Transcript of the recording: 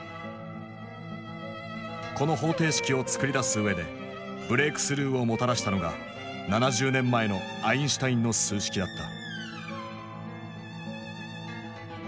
この方程式を作り出す上でブレークスルーをもたらしたのが７０年前のアインシュタインの数式だった。